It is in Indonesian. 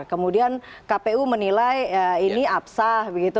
kemudian kpu menilai ini apsah begitu